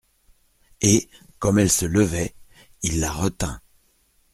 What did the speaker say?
Et, comme elle se levait, il la retint.